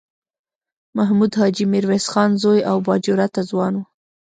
محمود حاجي میرویس خان زوی او با جرئته ځوان و.